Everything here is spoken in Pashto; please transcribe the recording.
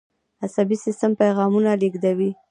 عصبي سیستم پیغامونه لیږدوي